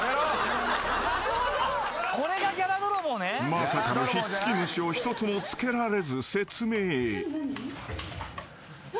［まさかのひっつき虫を一つもつけられず説明］何？